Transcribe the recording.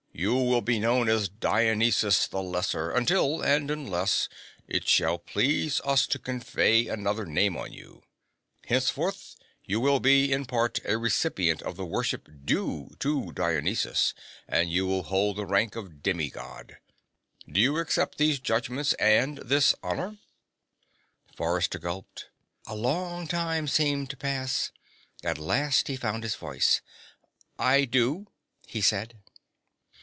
You will be known as Dionysus the Lesser until and unless it shall please us to confer another name on you. Henceforth, you will be, in part, a recipient of the worship due to Dionysus, and you will hold the rank of demi God. Do you accept these judgments and this honor?" Forrester gulped. A long time seemed to pass. At last he found his voice. "I do," he said.